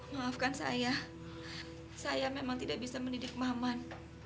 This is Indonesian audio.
maafkan saya saya memang tidak bisa mendidik maman